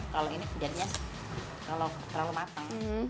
kalau ini biar terlalu matang